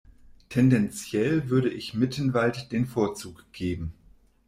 Tendenziell würde ich Mittenwald den Vorzug geben.